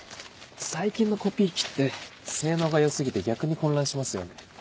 最近のコピー機って性能が良過ぎて逆に混乱しますよね。